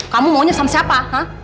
kamu maunya sama siapa